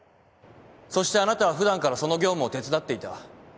そしてあなたは普段からその業務を手伝っていた。